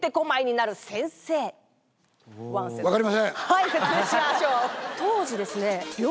はい説明しましょう。